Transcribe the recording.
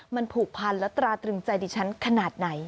มันผูกพันและตราตรึงใจดิฉันขนาดไหน